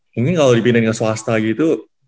mungkin kalau dipindahin ke swasta gitu